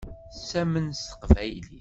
Tettamen s teqbaylit.